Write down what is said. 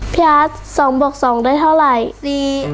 พี่อัฐ๒บวก๒ได้เท่าไหร่